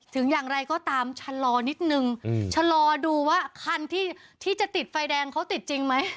ถึงอย่างไรก็ตามชะลอนิดนึงชะลอดูว่าคันที่จะติดไฟแดงเขาติดจริงไหม